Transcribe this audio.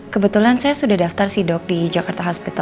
kebetulan saya sudah daftar sih dok di jakarta hospital